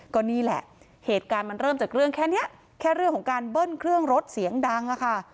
ก็นี่แหละเหตุการณ์มันเริ่มจากเรื่องแค่นี้แค่เรื่องของการเบิ้ลเครื่องรถเสียงดังอะค่ะ